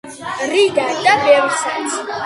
რიდა და ბევრსაც